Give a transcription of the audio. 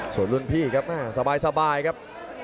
ส่วนรุ่นพี่ครับแม่สบายครับ